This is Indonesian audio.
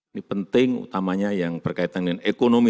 ini penting utamanya yang berkaitan dengan ekonomi